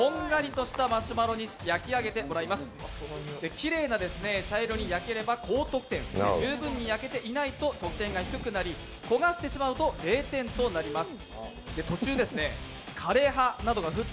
きれいな茶色に焼ければ高得点十分に焼けていないと得点が低くなり、焦がしてしまうと０点となります。